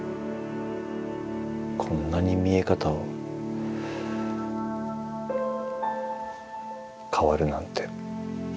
こんなに見え方を変わるなんて。